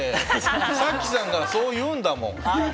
早紀さんがそう言うんだもん。